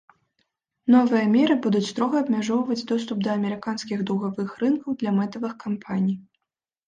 Новыя меры будуць строга абмяжоўваць доступ да амерыканскіх даўгавых рынкаў для мэтавых кампаній.